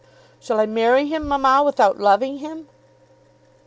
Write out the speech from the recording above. "Shall I marry him, mamma, without loving him?"